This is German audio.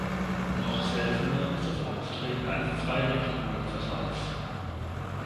Noch seltener ist das Auftreten eines Zwei-Neutronen-Zerfalls.